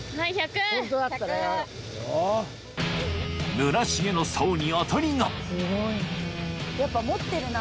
［村重のさおに当たりが］